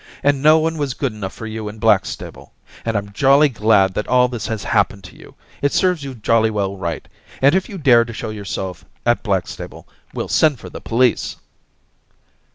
And no one was good enough for you in Blackstable. And Tm jolly glad that all this has happened to you ; it serves you jolly well right. And if you dare to show yourself at Blackstable, we'll send for the police.'